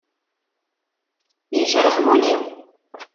Yejreḥ wul-iw.